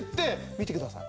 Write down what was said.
見てください。